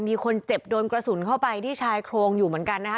มีคนเจ็บโดนกระสุนเข้าไปที่ชายโครงอยู่เหมือนกันนะคะ